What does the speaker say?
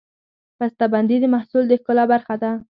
بستهبندي د محصول د ښکلا برخه ده.